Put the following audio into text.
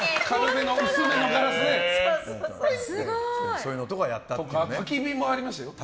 そういうのとかをやったという。